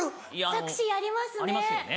タクシーありますね。